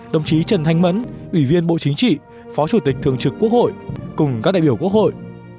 đồng chí trần thanh mẫn ủy viên bộ chính trị phó chủ tịch thường trực quốc hội cùng các đại biểu quốc hội